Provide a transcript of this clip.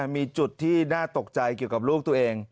มีจุดที่น่าตกใจเกี่ยวกับลูกตัวเอง